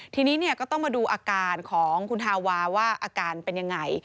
ทีนี้ก็ต้องมาดูอาการของคุณฮาวาว่าอาการเป็นยังไง